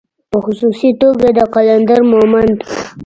په خصوصي توګه د قلندر مومند